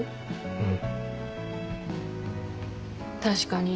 うん。